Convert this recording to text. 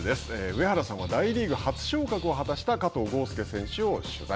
上原さんは大リーグ初昇格を果たした加藤選手を取材。